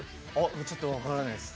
ちょっとわからないです。